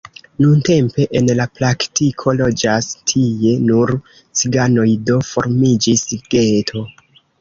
Nuntempe en la praktiko loĝas tie nur ciganoj, do formiĝis geto.